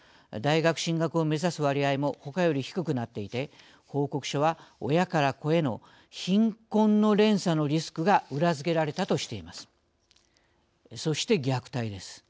大学進学を目指す割合もほかより低くなっていて報告書は、親から子への貧困の連鎖のリスクが裏付けられたとしています。